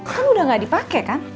kan udah gak dipakai kan